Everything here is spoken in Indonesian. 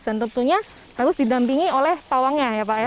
dan tentunya harus didampingi oleh pawangnya